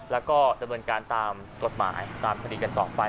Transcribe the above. แล้วก็ดำเนินการตามกฎหมายตามคดีกันต่อไป